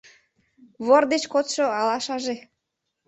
Вор деч кодшо алашаже